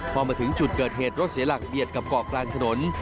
พอมาถึงจุดเกิดเหตุรถเสียหลักเบียดกับเกาะกลางถนน